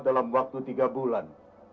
dalam waktu tiga bulan